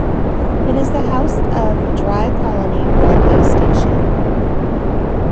It is the house of Drigh Colony railway station.